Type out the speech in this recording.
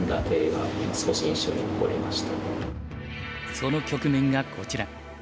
その局面がこちら。